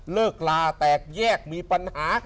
เลิกลาแตกแยกมีปัญหา